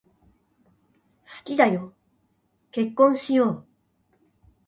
好きだよ、結婚しよう。